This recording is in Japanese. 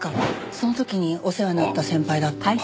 その時にお世話になった先輩だって。